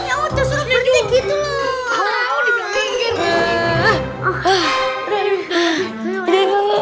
ya udah suruh pergi gitu